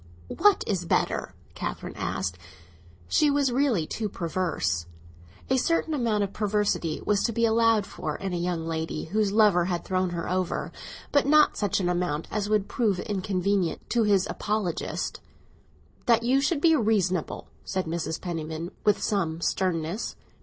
"What is better?" Catherine asked. She was really too perverse. A certain amount of perversity was to be allowed for in a young lady whose lover had thrown her over; but not such an amount as would prove inconvenient to his apologists. "That you should be reasonable," said Mrs. Penniman, with some sternness.